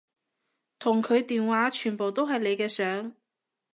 同佢電話全部都係你嘅相